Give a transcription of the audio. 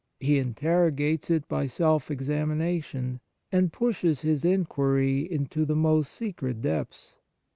He interrogates it by self examination, and pushes his inquiry into the most secret depths.